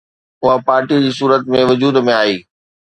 اها پارٽيءَ جي صورت ۾ وجود ۾ آئي